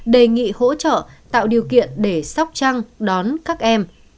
đề nghị hỗ trợ tạo điều kiện để sóc trăng đón các em